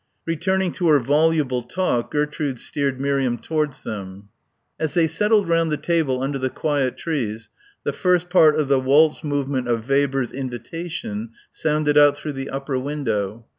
Returning to her voluble talk, Gertrude steered Miriam towards them. As they settled round the table under the quiet trees the first part of the waltz movement of Weber's "Invitation" sounded out through the upper window.